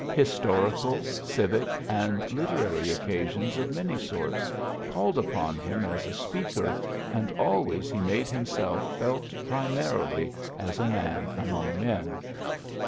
Historical, civic, and literary occasions of many sorts called upon him as a speaker, and always he made himself felt primarily as a man among men.